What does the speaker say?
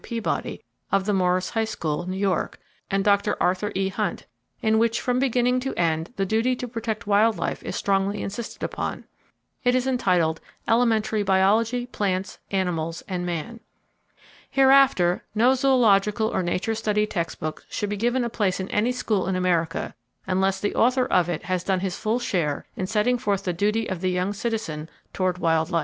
Peabody, of the Morris High School, New York, and Dr. Arthur E. Hunt, in which from beginning to end the duty to protect wild life is strongly insisted upon. It is entitled "Elementary Biology; Plants, Animals and Man." Hereafter, no zoological or nature study text book should be given a place in any school in America unless the author of it has done his full share in setting forth the duty of the young citizen toward wild life.